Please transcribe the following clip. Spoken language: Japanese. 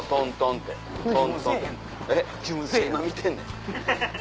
今見てんねん。